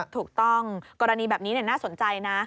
ถูกต้องกรณีแบบนี้น่าสนใจนะ